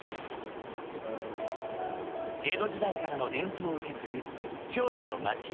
江戸時代からの伝統を受け継ぐ京都の町家。